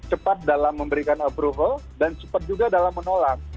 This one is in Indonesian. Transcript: cepat dalam memberikan approval dan cepat juga dalam menolak